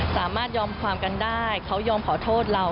สามารถยอมความกันได้เขายอมขอโทษเรา